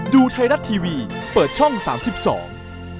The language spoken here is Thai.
ดูไทรัตร์ทีวีเปิดช่อง๓๒